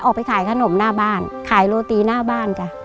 ออกไปขายขนมหน้าบ้านขายโรตีหน้าบ้านจ้ะ